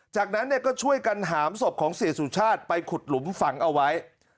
จากนั้นก็ช่วยกันหามศพของเสียสุชาติไปขุดหลุมฝังเอาไว้